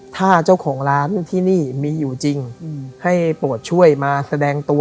ถ้าเจ้าของร้านที่นี่มีอยู่จริงให้โปรดช่วยมาแสดงตัว